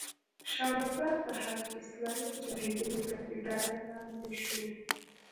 شا مزار د حزب اسلامي مجاهدینو تر اداره لاندې شو.